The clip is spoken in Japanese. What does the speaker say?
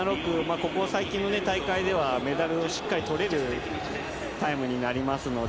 ここ最近の大会ではメダルをしっかり取れるタイムになります。